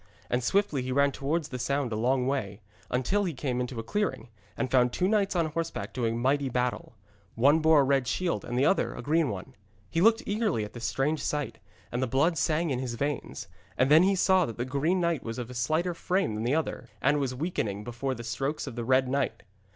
And swiftly he ran towards the sound a long way, until he came into a clearing, and found two knights on horseback doing mighty battle. One bore a red shield and the other a green one. He looked eagerly at this strange sight, and the blood sang in his veins. And then he saw that the green knight was of slighter frame than the other, and was weakening before the strokes of the red knight.